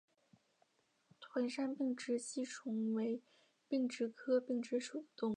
团山并殖吸虫为并殖科并殖属的动物。